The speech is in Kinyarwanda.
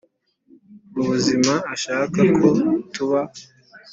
Ubuzima ashaka ko tuba